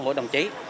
mỗi đồng chí